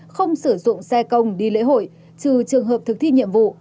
không sử dụng xe công đi lễ hội trừ trường hợp thực thi nhiệm vụ